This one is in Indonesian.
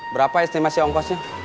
berapa estimasi ongkosnya